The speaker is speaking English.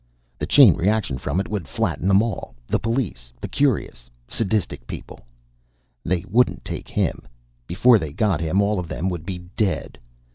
The chain reaction from it would flatten them all, the police, the curious, sadistic people They wouldn't take him! Before they got him, all of them would be dead.